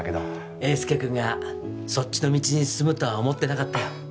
英介くんがそっちの道に進むとは思ってなかったよ